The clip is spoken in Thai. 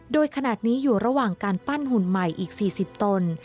โดยขนาดนี้อยู่ระหว่างการปั้นหุ่นใหม่อีก๔๐ตน